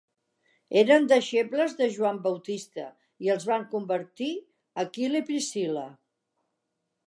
Eren deixebles de Joan Bautista i els van convertir Aquila i Priscilla.